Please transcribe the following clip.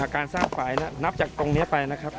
การสร้างฝ่ายนับจากตรงนี้ไปนะครับ